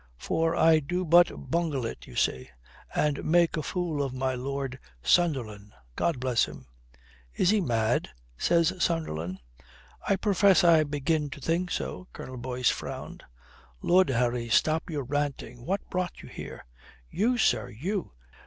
For I do but bungle it, you see. And make a fool of my Lord Sunderland, God bless him." "Is he mad?" says Sunderland. "I profess I begin to think so." Colonel Boyce frowned. "Lud, Harry, stop your ranting. What brought you here?" "You, sir, you.